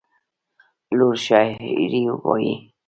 لور شاعري وايي.